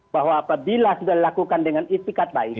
bahwa apabila sudah dilakukan dengan istikat baik